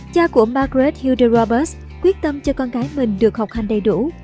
cha của margaret hilde roberts quyết tâm cho con gái mình được học hành đầy đủ